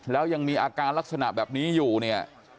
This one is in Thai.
แล้วยังมีอาการลักษณะแบบนี้อยู่เนี่ย